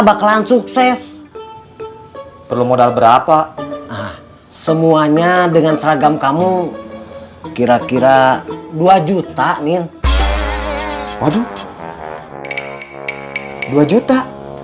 bakalan sukses perlu modal berapa semuanya dengan seragam kamu kira kira dua juta nih waduh dua juta